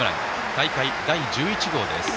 大会第１１号です。